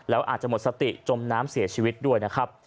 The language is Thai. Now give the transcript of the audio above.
แล้วอาจจะหมดสติจมน้ำเสียชีวิตด้วยนะครับ